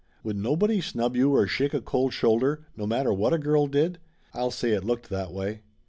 Would nobody snub you or shake a cold shoulder, no matter what a girl did ? I'll say it looked that way!